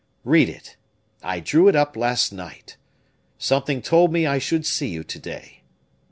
Read it; I drew it up last night. Something told me I should see you to day."